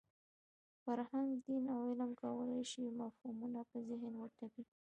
فرهنګ، دین او علم کولای شي مفهومونه په ذهن وتپي.